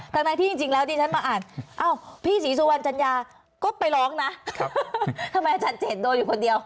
ทั้งนั้นที่จริงแล้วดิฉันมาอ่านเอ้าพี่ศรีสุวรรณจัญญาก็ไปร้องนะทำไมอาจารย์เจตโดนอยู่คนเดียว